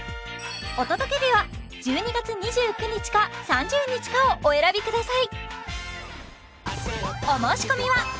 お届け日は１２月２９日か３０日かをお選びください